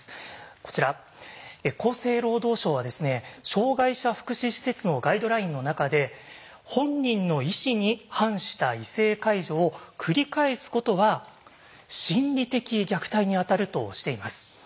こちら厚生労働省は障害者福祉施設のガイドラインの中で本人の意思に反した異性介助を繰り返すことは心理的虐待にあたるとしています。